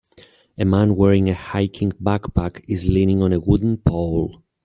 A man wearing a hiking backpack is leaning on a wooden pole